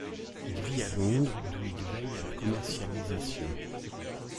Il vit à Londres, d'où il veille à la commercialisation.